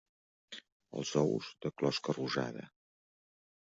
Els ous, de closca rosada.